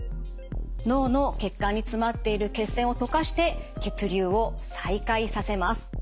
脳の血管に詰まっている血栓を溶かして血流を再開させます。